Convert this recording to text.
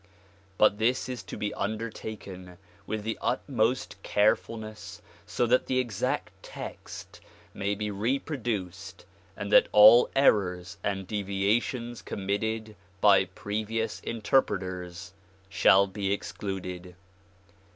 But this is to be undertaken with the utmost carefulness so that the exact text may be reproduced and that all errors and deviations committed by previous interpreters shall be excluded.